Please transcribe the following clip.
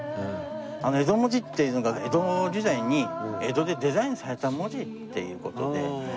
江戸文字っていうのが江戸時代に江戸でデザインされた文字っていう事で。